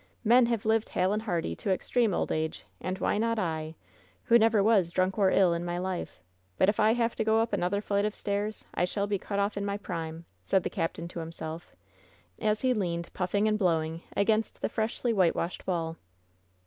Men have lived hale and hearty to extreme old age, and why not I, who never was drunk or ill in my life ? But if I have to go up another flight of stairs I shall be cut off in my prime!' said the captain WHEN SHADOWS DIE 98 to himself 9 as he leaned, puffing and blowing, against the freshly whitewashed wall.